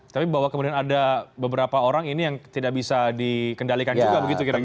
tapi bahwa kemudian ada beberapa orang ini yang tidak bisa dikendalikan juga begitu kira kira begitu